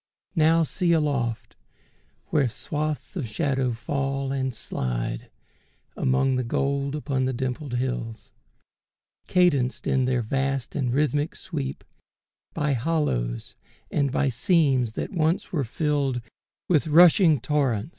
Now see aloft Where swaths of shadow fall and slide Among the gold upon the dimpled hills, Cadenced in their vast and rhythmic sweep, By hollows and by seams that once were filled With rushing torrents.